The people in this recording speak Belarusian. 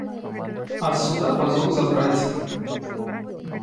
А з суда пазоў забраць.